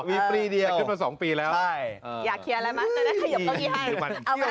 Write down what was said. มีปีเดียวใช่อยากเครียร์อะไรมั้ยจะได้เกียร์เก้าพี่ให้เอาไง